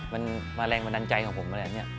มันมาแรงบันดาลใจของผมอะไรอย่างนี้